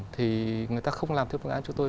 thì người ta không làm theo phương án chúng tôi